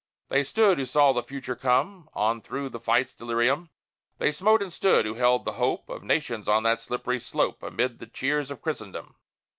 They stood, who saw the future come On through the fight's delirium; They smote and stood, who held the hope Of nations on that slippery slope, Amid the cheers of Christendom!